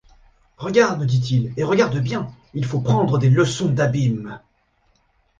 Regarde, me dit-il, et regarde bien ! il faut prendre des leçons d’abîme !